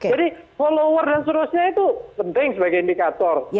jadi follower dan sebagainya itu penting sebagai indikator